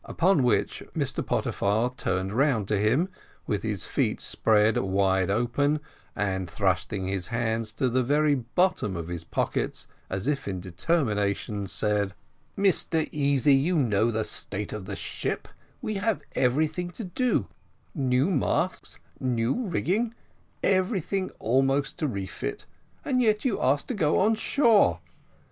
Upon which Mr Pottyfar turned round to him, with his feet spread wide open, and thrusting his hands to the very bottom of his pockets, as if in determination, said, "Mr Easy, you know the state of the ship; we have everything to do new masts, new rigging, everything almost to refit and yet you ask to go on shore!